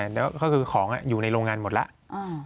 แล้วก็คือของอยู่ในโรงงานหมดแล้ว